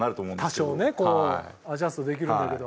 多少ねこうアジャストできるんだけど。